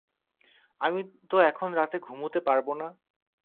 আমি তো এখন রাতে ঘুমুতে পারব না।